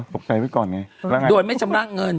ไว้ใจไว้ก่อนไงโดยไม่ชำระเงิน